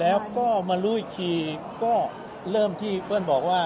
แล้วก็มารู้อีกทีก็เริ่มที่เปิ้ลบอกว่า